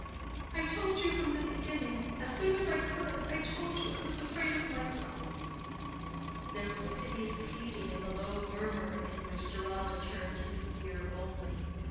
"I told you from the beginning—as soon as I could—I told you I was afraid of myself." There was a piteous pleading in the low murmur in which Deronda turned his ear only.